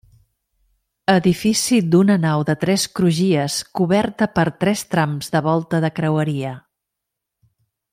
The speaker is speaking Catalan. Edifici d'una nau de tres crugies coberta per tres trams de volta de creueria.